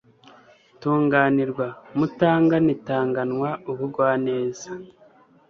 tunganirwa mutangana itangana ubugwaneza